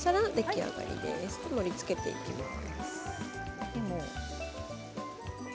盛りつけていきます。